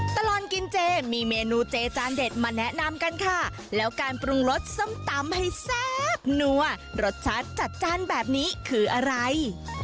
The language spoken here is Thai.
ตลอดกินเจมีเมนูเจจานเด็ดมาแนะนำกันค่ะแล้วการปรุงรสส้มตำให้แซ่บนัวรสชาติจัดจ้านแบบนี้คืออะไร